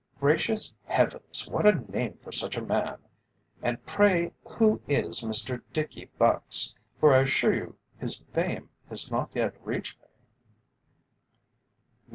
"Gracious heavens! what a name for such a man! And pray who is Mr Dickie Bucks, for I assure you his fame has not yet reached me?"